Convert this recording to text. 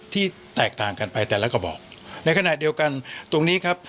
ที่แตกต่างกันไปแต่ละกระบอกในขณะเดียวกันตรงนี้ครับ